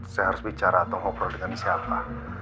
saya harus bicara atau ngobrol dengan siapa